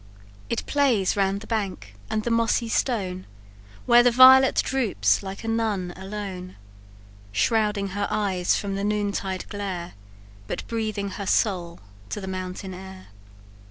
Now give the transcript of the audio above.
"It plays round the bank and the mossy stone, Where the violet droops like a nun alone; Shrouding her eyes from the noon tide glare, But breathing her soul to the mountain air.